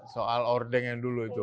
soal ordeng yang dulu itu